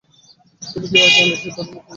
তুই কিভাবে জানলি সেই তোর উপযুক্ত মেয়ে?